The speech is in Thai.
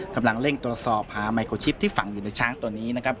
กำลังเร่งตรวจสอบหาไมโครชิปที่ฝังอยู่ในช้างตัวนี้นะครับ